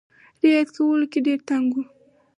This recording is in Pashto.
رعایت کولو کې ډېر ټینګ وو.